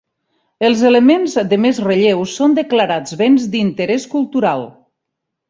Els elements de més relleu són declarats béns d'interès cultural.